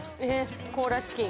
コーラチキン。